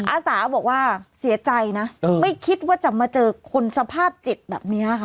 อาสาบอกว่าเสียใจนะไม่คิดว่าจะมาเจอคนสภาพจิตแบบนี้ค่ะ